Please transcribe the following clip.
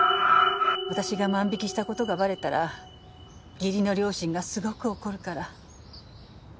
私が万引きした事がバレたら義理の両親がすごく怒るから。